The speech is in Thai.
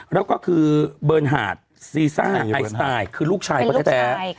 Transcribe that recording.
แล้วก็คือเบิร์นหาดซีซ่าไอสไตล์คือลูกชายเขาแท้